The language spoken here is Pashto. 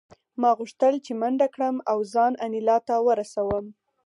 ما غوښتل چې منډه کړم او ځان انیلا ته ورسوم